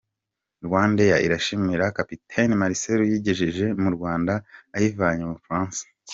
RwandAir irashimira Kapiteni Marcel uyigejeje mu Rwanda ayivanye mu Bufaransa.